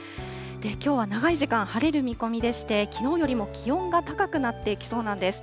きょうは長い時間晴れる見込みでして、きのうよりも気温が高くなっていきそうなんです。